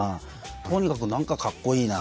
とにかく何かかっこいいな。